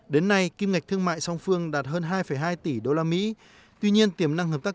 đến nay kim ngạch thương mại song phương đạt hơn hai hai tỷ usd tuy nhiên tiềm năng hợp tác